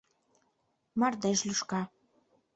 Мардеж лӱшка